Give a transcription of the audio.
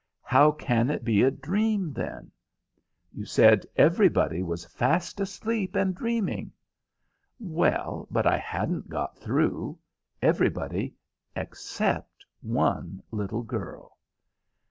"How can it be a dream, then?" "You said everybody was fast asleep and dreaming." "Well, but I hadn't got through. Everybody except one little girl."